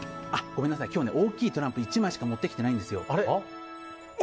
ごめんなさいね今日、大きいトランプ、１枚しか持ってきてないんですよ。